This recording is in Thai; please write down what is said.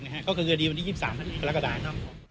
นะฮะก็คือคดีวันที่ยี่สิบสามละกระดาษ